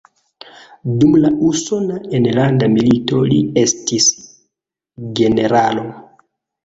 Dum la Usona Enlanda Milito li estis generalo.